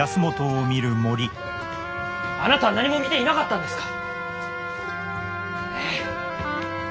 あなたは何も見ていなかったんですか！？